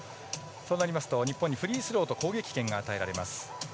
そうなりますと日本にフリースローと攻撃権が与えられます。